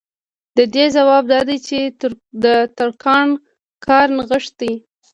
د دې ځواب دا دی چې د ترکاڼ کار نغښتی